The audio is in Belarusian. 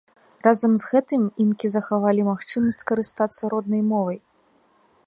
Разам з гэтым, інкі захавалі магчымасць карыстацца роднай мовай.